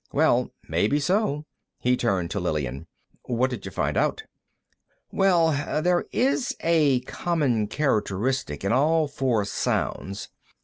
Well, maybe so. He turned to Lillian. "What did you find out?" "Well, there is a common characteristic in all four sounds.